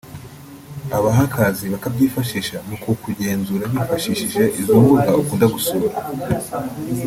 aba Hackers bakabyifashisha mu kukugenzura bifashishije izo mbuga ukunda gusura